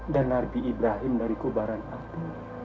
dan narbi ibrahim dari kubaran api